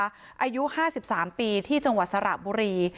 อายุห้าสิบสามปีที่จังหวัดสระบุรี